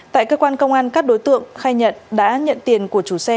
tại cơ quan công an các đối tượng khai nhận đã nhận tiền của chủ xe